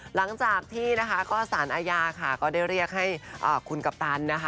หลังจากที่นะคะก็สารอาญาค่ะก็ได้เรียกให้คุณกัปตันนะคะ